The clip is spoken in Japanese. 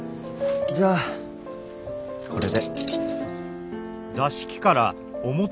じゃあこれで。